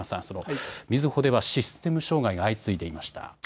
みずほではシステム障害が相次いでいました。